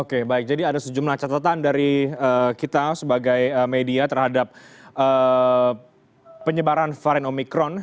oke baik jadi ada sejumlah catatan dari kita sebagai media terhadap penyebaran varian omikron